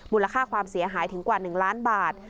มูลค่าความเสียหายถึงกว่า๑ล้านบาท